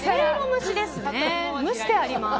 蒸してあります。